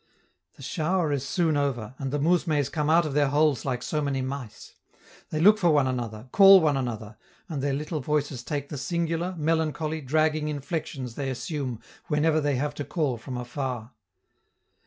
The shower is soon over, and the mousmes come out of their holes like so many mice; they look for one another, call one another, and their little voices take the singular, melancholy, dragging inflections they assume whenever they have to call from afar.